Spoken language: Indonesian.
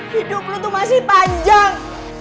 hidup lu tuh masih panjang